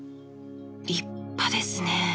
立派ですね。